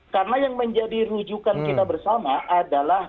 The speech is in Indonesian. karena yang menjadi rujukan kita bersama adalah